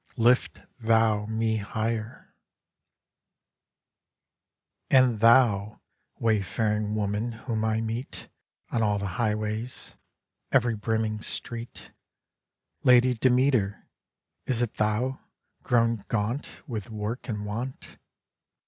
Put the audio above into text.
Lift thou me higher. _And thou, Wayfaring Woman, whom I meet On all the highways, every brimming street, Lady Demeter, is it thou, grown gaunt With work and want?